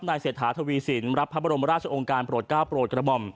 เศรษฐาทวีสินรับพระบรมราชองค์การโปรดก้าวโปรดกระหม่อม